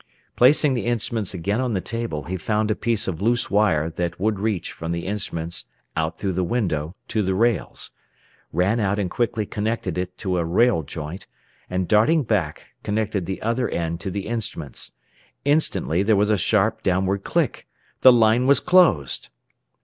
Placing the instruments again on the table, he found a piece of loose wire that would reach from the instruments, out through the window, to the rails; ran out and quickly connected it to a rail joint, and, darting back, connected the other end to the instruments. Instantly there was a sharp downward click. The line was closed!